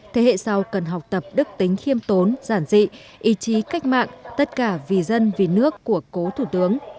thế hệ sau cần học tập đức tính khiêm tốn giản dị ý chí cách mạng tất cả vì dân vì nước của cố thủ tướng